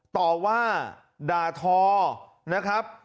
ต่อว่าด่าทอนะครับ